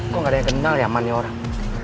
kok gak ada yang kenal ya amannya orang